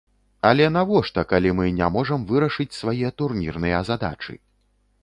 Але навошта, калі мы не можам вырашыць свае турнірныя задачы.